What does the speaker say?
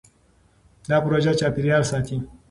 دا پروژه چاپېریال ساتي.